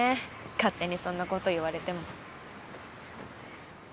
勝手にそんなこと言われても。